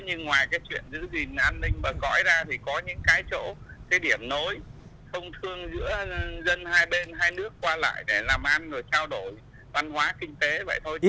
nhưng ngoài cái chuyện giữ gìn an ninh bờ cõi ra thì có những cái chỗ cái điểm nối thông thương giữa dân hai bên hai nước qua lại để làm ăn rồi trao đổi văn hóa kinh tế vậy thôi đi